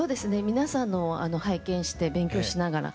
皆さんのを拝見して勉強しながら。